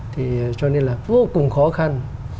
thì cho nên là vô cùng khó khăn